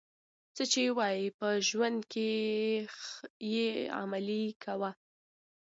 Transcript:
څه چي وايې په ژوند کښي ئې عملي کوه.